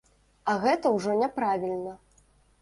А гэта ўжо няправільна.